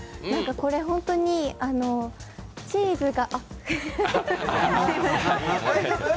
これ本当にチーズが。